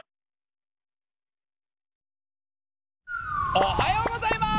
おはようございます！